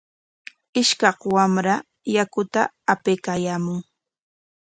Ishkaq wamra yakuta apaykaayaamun.